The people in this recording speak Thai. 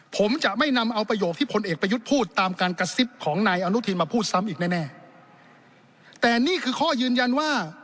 ผมจะไม่นำเอาประโยคที่พลเอกประยุทธ์พูดตามการกระซิบของนายอนุทินมาพูดซ้ำอีกแน่แน่แต่นี่คือข้อยืนยันว่า